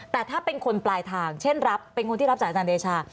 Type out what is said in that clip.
แต่ถ้าเป็นคนปลายทางเช่นรับเป็นคนที่รับจากอาจารย์เดชา